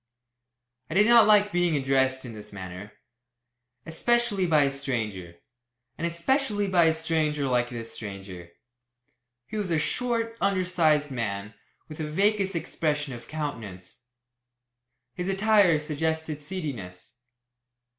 I did not like being addressed in this manner, especially by a stranger, and especially by a stranger like this stranger. He was a short, undersized man, with a vacuous expression of countenance. His attire suggested seediness.